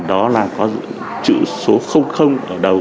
đó là có chữ số ở đầu